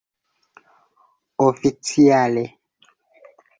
oficiale